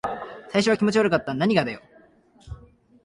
最初は気持ち悪かった。何だかよくわからなかった。